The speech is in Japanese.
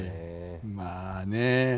まあね